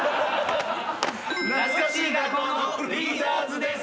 懐かしい学校のリーダーズです。